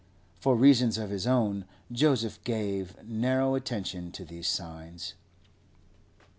For reasons of his own, Joseph gave narrow attention to these signs.